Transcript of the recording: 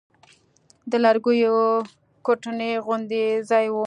د لرګيو کوټنۍ غوندې ځاى و.